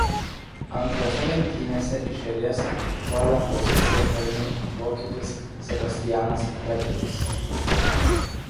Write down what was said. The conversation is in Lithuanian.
Antrose lenktynėse iš eilės pole poziciją pelnė vokietis Sebastianas Vettelis.